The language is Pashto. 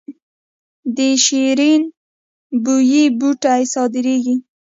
د شیرین بویې بوټی صادریږي